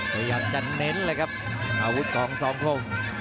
พยายามจะเน้นร่ะครับอาวุธของ๒โคร้ง